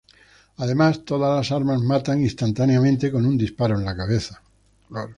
Además, todas las armas matan instantáneamente con un disparo en la cabeza.